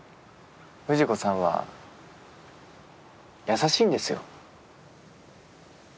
藤子さんは優しいんですよ。